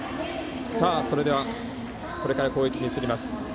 それではこれから攻撃に移ります